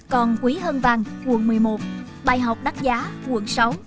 còn quý hân vàng quận một mươi một bài học đắt giá quận sáu